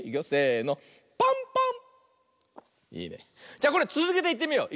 じゃこれつづけていってみよう。